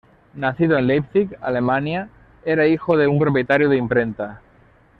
Nacido en Leipzig, Alemania, era hijo de un propietario de imprenta.